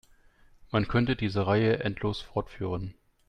Man könnte diese Reihe endlos fortführen.